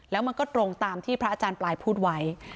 แล้วมันก็ตรงตามที่พระอาจารย์ปลายพูดไว้